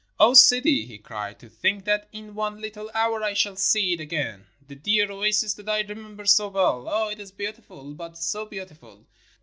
"O Sidi!" he cried, "to think that in one little hour I shall see it again — the dear oasis that I remember so well. Ah, it is beautiful — but so beautiful